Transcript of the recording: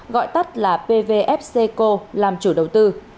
gọi tắt là pvfc co làm chủ đầu tư